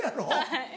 はい。